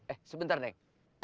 eh sebentar neng